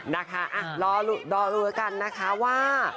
นะคะรอดูกันนะคะว่า